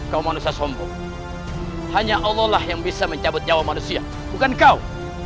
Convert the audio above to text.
kau manusia sombong hanya allah lah yang bisa mencabut nyawa manusia bukan kau